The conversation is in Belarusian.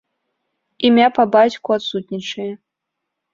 Імя па бацьку адсутнічае.